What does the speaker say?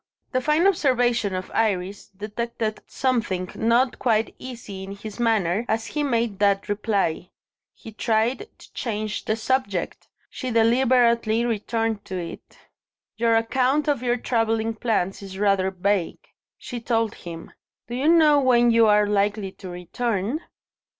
The fine observation of Iris detected something not quite easy in his manner, as he made that reply. He tried to change the subject: she deliberately returned to it. "Your account of your travelling plans is rather vague," she told him. "Do you know when you are likely to return?"